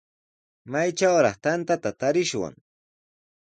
¿Maytrawraq tantata tarishwan?